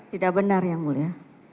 tidak benar ya mulia